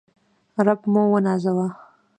رب موونازوه